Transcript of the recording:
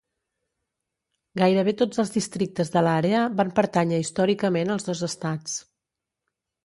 Gairebé tots els districtes de l'àrea van pertànyer històricament als dos estats.